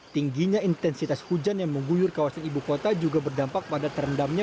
tingginya intensitas hujan yang mengguyur kawasan ibu kota juga berdampak pada terendamnya